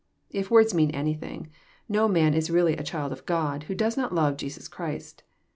If words mean anything, no man is really a child of God, who does not love Jesus Christ.